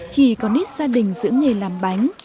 chỉ còn ít gia đình dưỡng nghề làm bánh